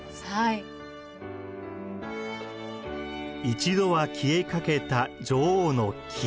一度は消えかけた女王の木。